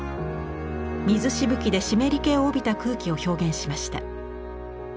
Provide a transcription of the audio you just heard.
水しぶきで湿り気を帯びた空気を表現しました。